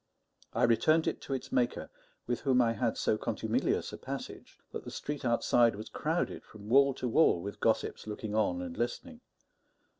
I returned it to its maker, with whom I had so contumelious a passage that the street outside was crowded from wall to wall with gossips looking on and listening.